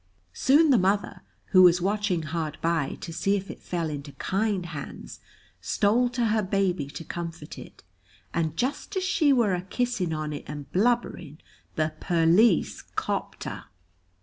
Soon the mother, who was watching hard by to see if it fell into kind hands, stole to her baby to comfort it, "and just as she were a kissing on it and blubbering, the perlice copped her."